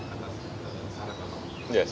atas saran bapak